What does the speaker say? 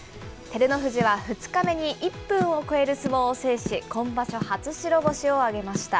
照ノ富士は２日目に、１分を超える相撲を制し、今場所初白星を挙げました。